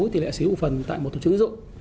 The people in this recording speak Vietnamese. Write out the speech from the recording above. tỷ lệ sở hữu cổ phần tại một tổ chức tín dụng